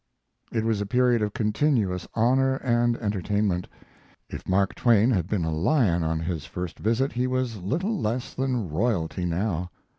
It was a period of continuous honor and entertainment. If Mark Twain had been a lion on his first visit, he was little less than royalty now.